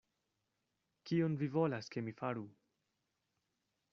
Kion vi volas, ke mi faru?